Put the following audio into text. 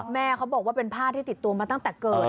แม่เขาบอกว่าเป็นผ้าที่ติดตัวมาตั้งแต่เกิด